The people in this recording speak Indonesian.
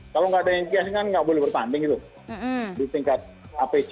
kalau nggak ada mgs kan nggak boleh bertanding gitu di tingkat apc